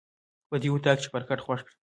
په دې اطاق کې چپرکټ خوښ کړه.